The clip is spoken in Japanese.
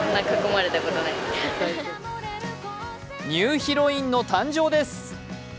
ニューヒロインの誕生です。